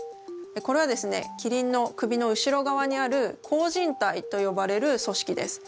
これはですねキリンの首の後ろ側にある項靱帯と呼ばれる組織です。